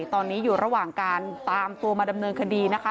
ตอนนี้อยู่ระหว่างการตามตัวมาดำเนินคดีนะคะ